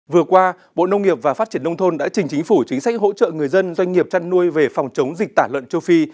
vừa qua bộ nông nghiệp và phát triển nông thôn đã trình chính phủ chính sách hỗ trợ người dân doanh nghiệp chăn nuôi về phòng chống dịch tả lợn châu phi